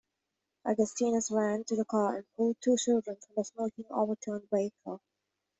Augustinus ran to the car and pulled two children from the smoking, overturned vehicle.